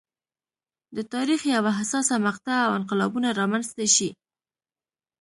د تاریخ یوه حساسه مقطعه او انقلابونه رامنځته شي.